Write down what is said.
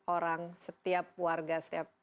orang setiap warga setiap